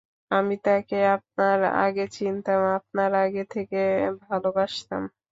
আমি তাকে আপনার আগে চিনতাম, আপনার আগে থেকে ভালবাসতাম।